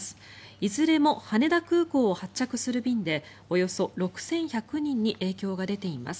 いずれも羽田空港を発着する便でおよそ６１００人に影響が出ています。